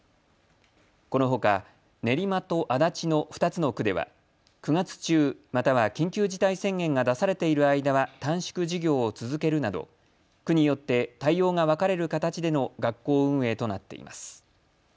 このほか練馬区と足立の２つの区では９月中、または緊急事態宣言が出されている間は短縮授業を続けるなど区によって対応が分かれる形での学校運営となっています。